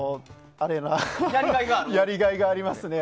やりがいがありますね。